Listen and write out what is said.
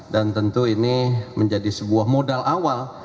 dan tentu ini menjadi sebuah modal awal